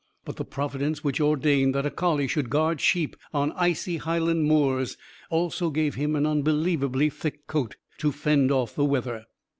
But, the Providence which ordained that a collie should guard sheep on icy Highland moors also gave him an unbelievably thick coat, to fend off the weather.